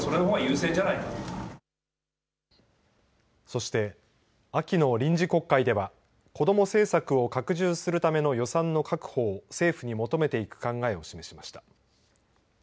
そして、秋の臨時国会では子ども政策を拡充するための予算の確保を政府に求めていく考えを示しました。